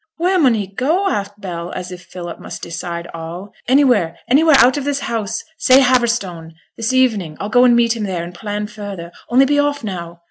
'Where mun he go?' asked Bell, as if Philip must decide all. 'Anywhere, anywhere, out of this house say Haverstone. This evening, I'll go and meet him there and plan further; only be off now.'